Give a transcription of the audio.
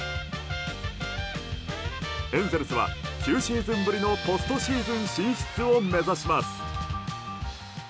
エンゼルスは、９シーズンぶりのポストシーズン進出を目指します。